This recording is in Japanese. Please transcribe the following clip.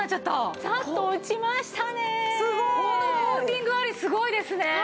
このコーティングありすごいですね。